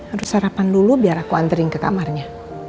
aduh sarapan dulu biar aku anterin ke kamarnya